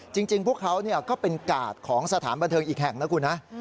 จริงพวกเขาก็เป็นกาดของสถานบันเทิงอีกแห่งนะคุณนะ